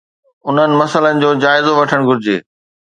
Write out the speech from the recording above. انهن مسئلن جو جائزو وٺڻ گهرجي